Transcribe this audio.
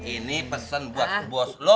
ini pesen buat bos lo